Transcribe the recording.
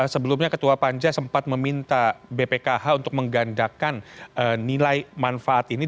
sebelumnya ketua panja sempat meminta bpkh untuk menggandakan nilai manfaat ini